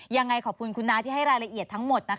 ยังไงขอบคุณคุณน้าที่ให้รายละเอียดทั้งหมดนะคะ